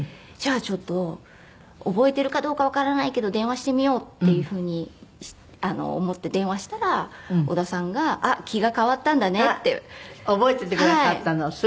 じゃあちょっと覚えてるかどうかわからないけど電話してみようっていうふうに思って電話したら織田さんが「あっ気が変わったんだね」って。覚えててくださったの？